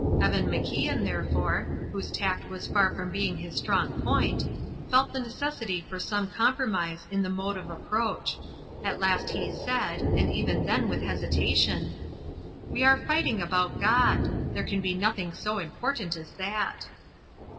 Even MacIan, therefore (whose tact was far from being his strong point), felt the necessity for some compromise in the mode of approach. At last he said, and even then with hesitation: "We are fighting about God; there can be nothing so important as that."